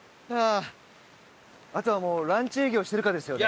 あとはもうランチ営業してるかですよね。